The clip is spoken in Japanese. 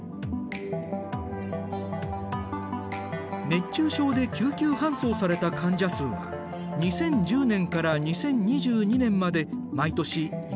熱中症で救急搬送された患者数は２０１０年から２０２２年まで毎年４万人以上。